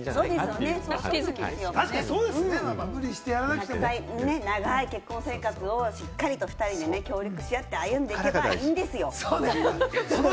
若い人にそんな無理しなくて長い結婚生活をしっかりと２人で協力し合って歩んでいけばいいんですよ。